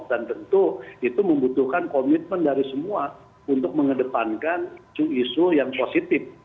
dan tentu itu membutuhkan komitmen dari semua untuk mengedepankan isu isu yang positif